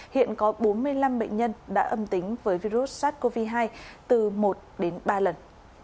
hiện có bốn mươi năm bệnh nhân đã âm tính với virus sars cov hai từ một đến ba lần